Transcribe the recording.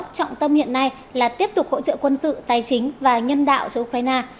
trọng tâm hiện nay là tiếp tục hỗ trợ quân sự tài chính và nhân đạo cho ukraine